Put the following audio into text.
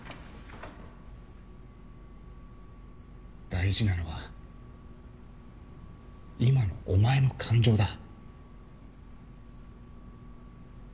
大事なのは今のお前の感情だ。